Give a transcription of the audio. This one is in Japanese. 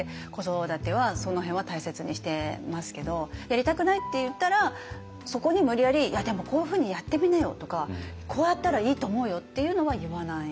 「やりたくない」って言ったらそこに無理やり「いやでもこういうふうにやってみなよ」とか「こうやったらいいと思うよ」っていうのは言わない。